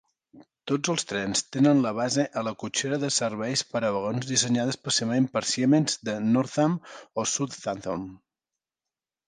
Tots els trens tenen la base a la cotxera de serveis per a vagons dissenyada especialment per Siemens de Northam, a Southampton.